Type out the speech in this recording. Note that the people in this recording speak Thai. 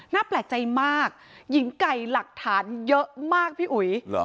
แปลกใจมากหญิงไก่หลักฐานเยอะมากพี่อุ๋ย